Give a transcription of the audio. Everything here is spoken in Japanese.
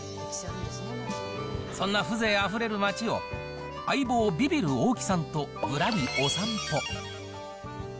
そんな風情あふれる街を、相棒、ビビる大木さんとぶらりお散歩。